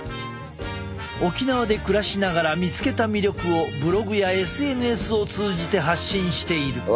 沖縄で暮らしながら見つけた魅力をブログやＳＮＳを通じて発信している。